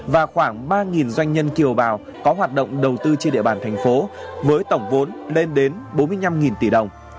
và khoảng ba doanh nhân kiều bào có hoạt động đầu tư trên địa bàn thành phố với tổng vốn lên đến bốn mươi năm tỷ đồng